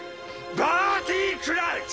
バーティ・クラウチ